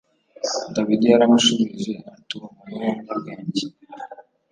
dawidi yaramushubije ati uri umugore w umunyabwenge